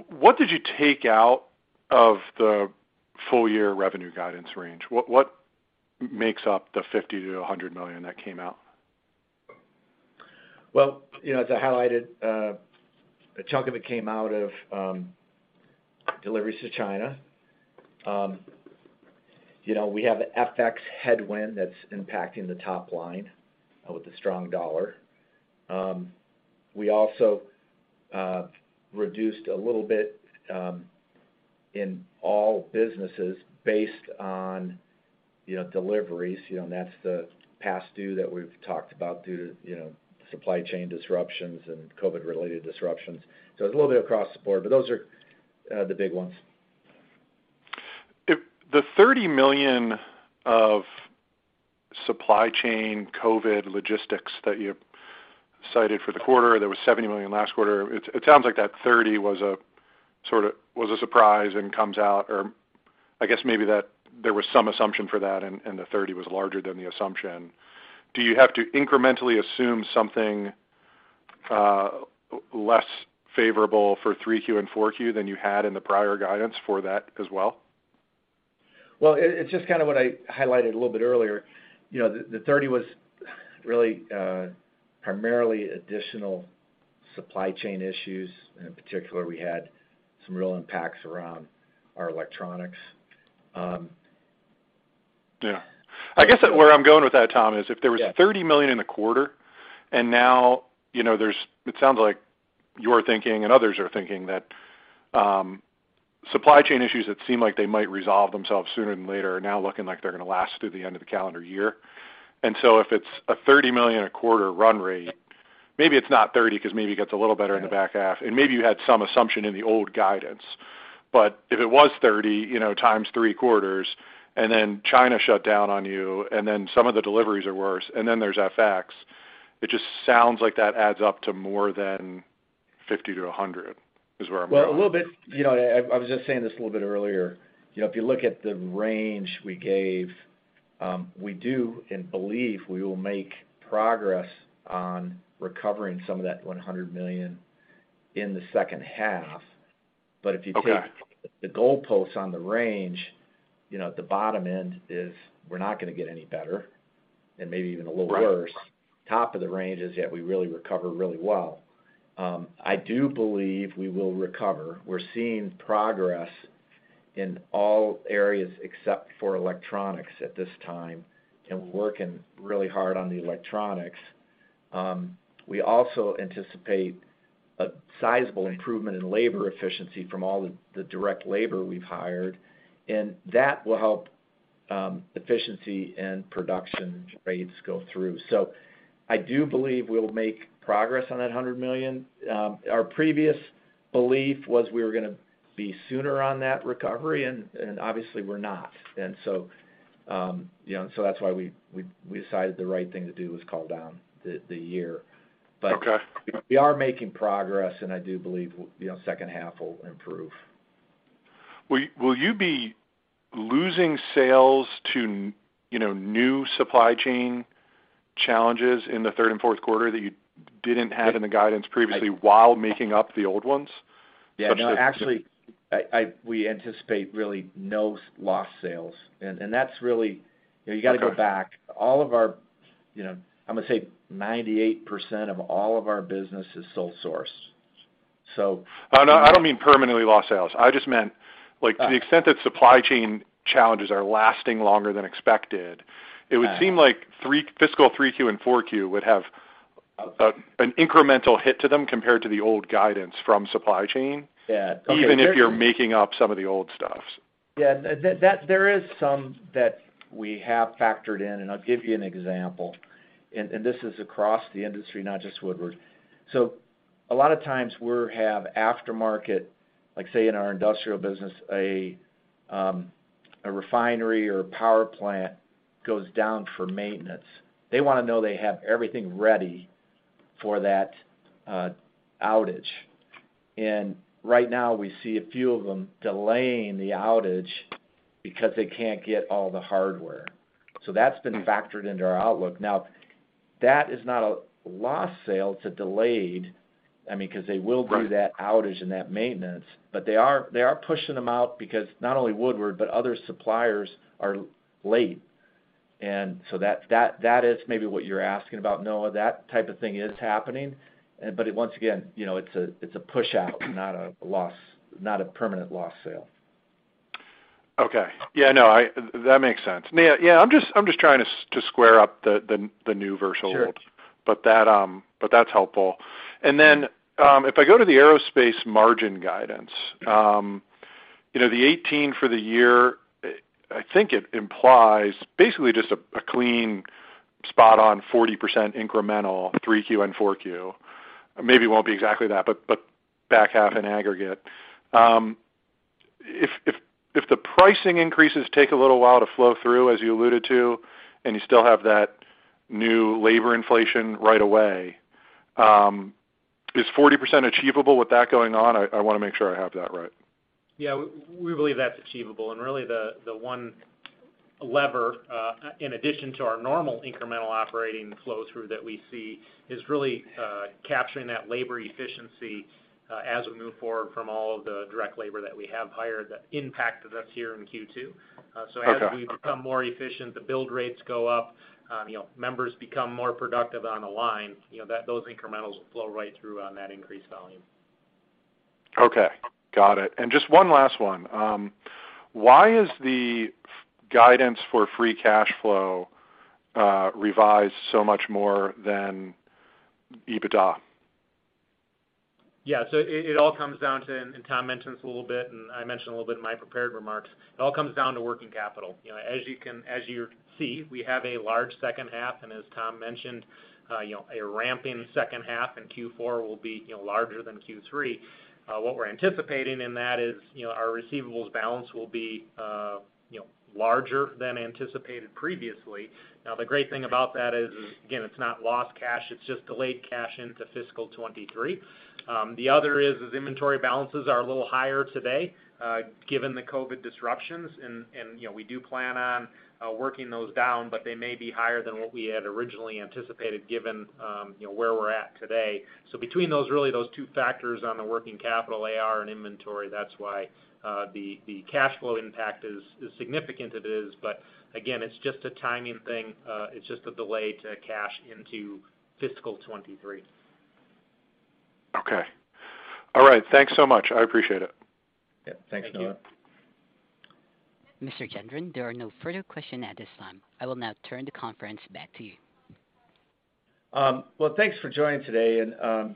What did you take out of the full-year revenue guidance range? What makes up the $50 million-$100 million that came out? Well, you know, as I highlighted, a chunk of it came out of deliveries to China. You know, we have FX headwind that's impacting the top line with the strong dollar. We also reduced a little bit in all businesses based on, you know, deliveries. You know, and that's the past due that we've talked about due to, you know, supply chain disruptions and COVID-related disruptions. It's a little bit across the board, but those are the big ones. If the $30 million of supply chain COVID logistics that you cited for the quarter, there was $70 million last quarter. It sounds like that $30 million was a surprise and comes out, or I guess maybe that there was some assumption for that and the $30 million was larger than the assumption. Do you have to incrementally assume something less favorable for 3Q and 4Q than you had in the prior guidance for that as well? Well, it's just kind of what I highlighted a little bit earlier. You know, the $30 million was really primarily additional supply chain issues. In particular, we had some real impacts around our electronics. Yeah. I guess where I'm going with that, Tom, is if there was $30 million in the quarter, and now, you know, there's it sounds like you're thinking and others are thinking that supply chain issues that seem like they might resolve themselves sooner than later are now looking like they're gonna last through the end of the calendar year. If it's a $30 million a quarter run rate, maybe it's not $30 million 'cause maybe it gets a little better in the back half, and maybe you had some assumption in the old guidance. If it was $30 million, you know, times three quarters, and then China shut down on you, and then some of the deliveries are worse, and then there's FX, it just sounds like that adds up to more than $50 million-$100 million, is where I'm going. Well, a little bit. You know, I was just saying this a little bit earlier. You know, if you look at the range we gave, we do and believe we will make progress on recovering some of that $100 million in the second half. If you take the goalposts on the range, you know, the bottom end is we're not gonna get any better and maybe even a little worse. Top of the range is, we really recover really well. I do believe we will recover. We're seeing progress in all areas except for electronics at this time, and we're working really hard on the electronics. We also anticipate a sizable improvement in labor efficiency from all the direct labor we've hired, and that will help efficiency and production rates go through. I do believe we'll make progress on that $100 million. Our previous belief was we were gonna be sooner on that recovery and obviously we're not. You know, that's why we decided the right thing to do was call down the year. We are making progress, and I do believe, you know, second half will improve. Will you be losing sales to, you know, new supply chain challenges in the third and fourth quarter that you didn't have in the guidance previously while making up the old ones? Yeah. No, actually, we anticipate really no lost sales. That's really. You know, you gotta go back. All of our, you know, I'm gonna say 98% of all of our business is sole source. Oh, no, I don't mean permanently lost sales. I just meant like, to the extent that supply chain challenges are lasting longer than expected. It would seem like fiscal 3Q and 4Q would have an incremental hit to them compared to the old guidance from supply chain. Even if you're making up some of the old stuffs. Yeah. That there is some that we have factored in, and I'll give you an example. This is across the industry, not just Woodward. A lot of times we have aftermarket, like say in our industrial business, a refinery or a power plant goes down for maintenance. They wanna know they have everything ready for that outage. Right now we see a few of them delaying the outage because they can't get all the hardware. That's been factored into our outlook. Now, that is not a lost sale, a delayed, I mean, 'cause they will do that outage and that maintenance, but they are pushing them out because not only Woodward, but other suppliers are late. That is maybe what you're asking about, Noah. That type of thing is happening, but once again, you know, it's a push-out, not a loss, not a permanent loss sale. Okay. Yeah, no. That makes sense. Yeah. I'm just trying to square up the new virtual world, but that's helpful. Then if I go to the aerospace margin guidance, you know, the 18% for the year, I think it implies basically just a clean spot on 40% incremental 3Q and 4Q. Maybe it won't be exactly that, but back half in aggregate. If the pricing increases take a little while to flow through, as you alluded to, and you still have that new labor inflation right away, is 40% achievable with that going on? I wanna make sure I have that right. Yeah. We believe that's achievable. Really, the one lever in addition to our normal incremental operating flow through that we see is really capturing that labor efficiency as we move forward from all of the direct labor that we have hired that impacted us here in Q2. As we become more efficient, the build rates go up, you know, members become more productive on the line, you know, those incrementals will flow right through on that increased volume. Okay. Got it. Just one last one. Why is the guidance for free cash flow revised so much more than EBITDA? Yeah. It all comes down to, and Tom mentioned this a little bit, and I mentioned a little bit in my prepared remarks, it all comes down to working capital. You know, as you see, we have a large second half, and as Tom mentioned, you know, a ramping second half, and Q4 will be, you know, larger than Q3. What we're anticipating in that is, you know, our receivables balance will be, you know, larger than anticipated previously. Now, the great thing about that is, again, it's not lost cash, it's just delayed cash into fiscal 2023. The other is inventory balances are a little higher today, given the COVID disruptions. You know, we do plan on working those down, but they may be higher than what we had originally anticipated given you know, where we're at today. Between those really, those two factors on the working capital AR and inventory, that's why the cash flow impact is significant. It is. Again, it's just a timing thing. It's just a delay to cash into fiscal 2023. Okay. All right. Thanks so much. I appreciate it. Yeah. Thanks, Noah. Mr. Gendron, there are no further questions at this time. I will now turn the conference back to you. Well, thanks for joining today, and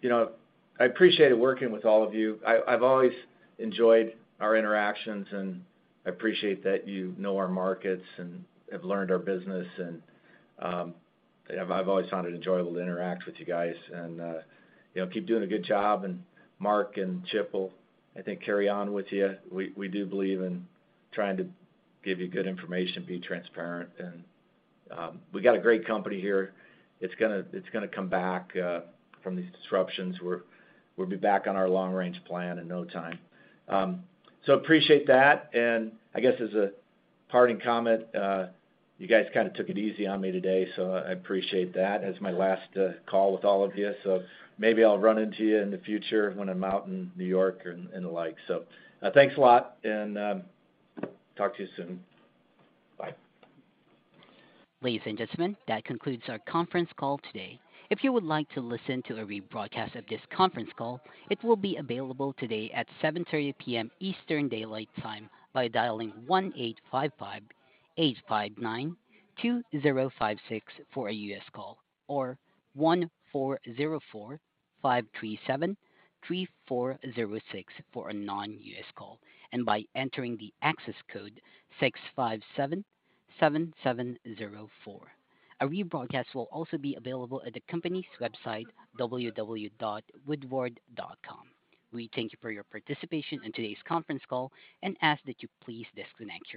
you know, I appreciated working with all of you. I've always enjoyed our interactions, and I appreciate that you know our markets and have learned our business, and I've always found it enjoyable to interact with you guys. You know, keep doing a good job, and Mark and Chip will, I think, carry on with you. We do believe in trying to give you good information, be transparent, and we got a great company here. It's gonna come back from these disruptions. We'll be back on our long-range plan in no time. So appreciate that. I guess as a parting comment, you guys kinda took it easy on me today, so I appreciate that as my last call with all of you. Maybe I'll run into you in the future when I'm out in New York and the like. Thanks a lot and talk to you soon. Bye. Ladies and gentlemen, that concludes our conference call today. If you would like to listen to a rebroadcast of this conference call, it will be available today at 7:30 P.M. Eastern Daylight Time by dialing 1-855-859-2056 for a U.S. call or 1-404-537-3406 for a non-U.S. call and by entering the access code 657-7704. A rebroadcast will also be available at the company's website, www.woodward.com. We thank you for your participation in today's conference call and ask that you please disconnect your lines.